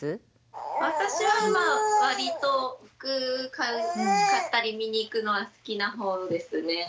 私は割と服買ったり見に行くのは好きな方ですね。